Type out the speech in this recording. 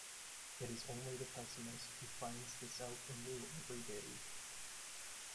It is only the pessimist who finds this out anew every day.